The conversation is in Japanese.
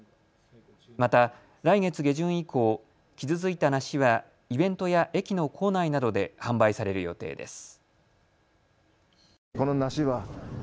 また来月下旬以降、傷ついた梨はイベントや駅の構内などで販売される予定です。